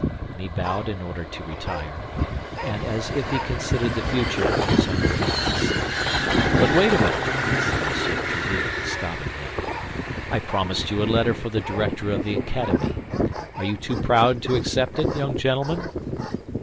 And he bowed in order to retire, and as if he considered the future in his own hands. "But wait a minute," said M. de Tréville, stopping him. "I promised you a letter for the director of the Academy. Are you too proud to accept it, young gentleman?"